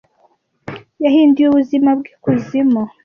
Yahinduye ubuzima bw'ikuzimu.